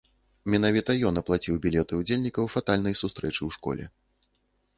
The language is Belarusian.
Менавіта ён аплаціў білеты ўдзельнікаў фатальнай сустрэчы ў школе.